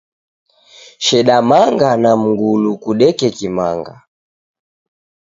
Sheda manga na mngulu kudeke Kimanga.